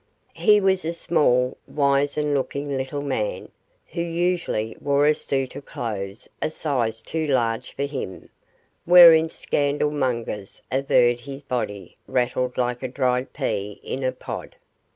He was a small, wizen looking little man, who usually wore a suit of clothes a size too large for him, wherein scandal mongers averred his body rattled like a dried pea in a pod.